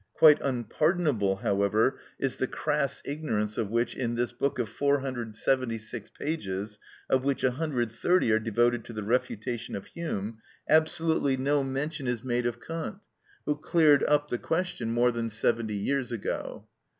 Quite unpardonable, however, is the crass ignorance on account of which in this book of 476 pages, of which 130 are devoted to the refutation of Hume, absolutely no mention is made of Kant, who cleared up the question more than seventy years ago.